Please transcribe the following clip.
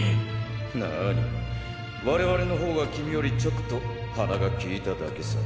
なあに我々のほうが君よりちょっと鼻が利いただけさ。